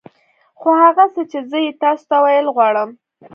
خو هغه څه چې زه يې تاسو ته ويل غواړم.